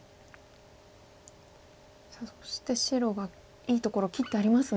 さあそして白がいいところ切ってありますね。